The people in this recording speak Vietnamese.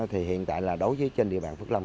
thì hiện tại là đối với trên địa bàn phước long